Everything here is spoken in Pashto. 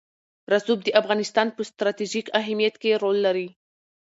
رسوب د افغانستان په ستراتیژیک اهمیت کې رول لري.